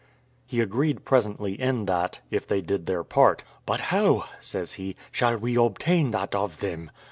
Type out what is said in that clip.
He agreed presently in that, if they did their part. "But how," says he, "shall we obtain that of them?"